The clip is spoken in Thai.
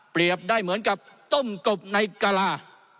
เปรียบได้เหมือนกับต้มกบในกระล่า